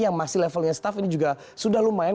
yang masih levelnya staff ini juga sudah lumayan